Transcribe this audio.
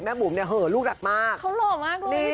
แม่บุ๋มเนี่ยเหลือลูกดักมากเขาหลอกมากดูดิเฟ้